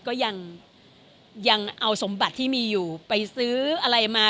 ก็ยังเอาสมบัติที่มีอยู่ไปซื้ออะไรมา